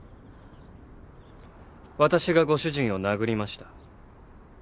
私がご主人を殴りました。